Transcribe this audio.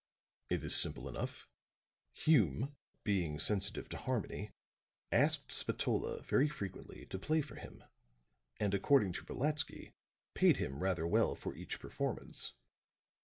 "It is simple enough. Hume being sensitive to harmony, asked Spatola very frequently to play for him; and, according to Brolatsky, paid him rather well for each performance.